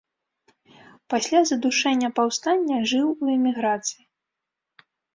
Пасля задушэння паўстання жыў у эміграцыі.